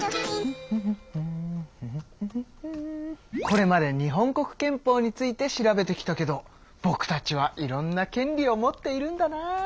これまで日本国憲法について調べてきたけどぼくたちはいろんな権利を持っているんだな。